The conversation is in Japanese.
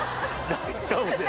大丈夫です。